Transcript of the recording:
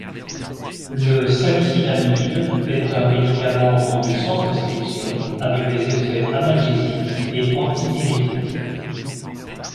Le salicylamide est un médicament vendu sans prescription avec des effets analgésique et antipyrétique.